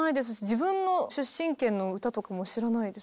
自分の出身県の歌とかも知らないです。